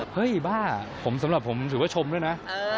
เฮ้ยบ้าสำหรับผมถือว่าชมด้วยนะ